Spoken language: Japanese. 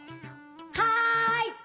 はい！